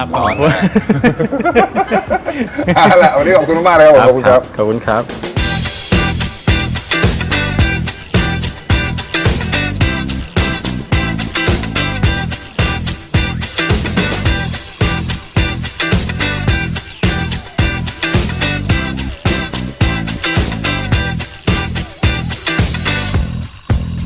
เพราะว่าร้อน